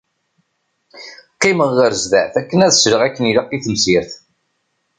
Qqimeɣ ɣer zdat akken ad sleɣ akken ilaq i temsirt.